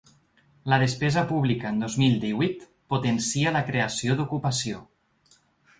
La despesa pública en dos mil divuit potència la creació d’ocupació.